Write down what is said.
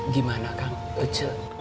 gimana kang pecah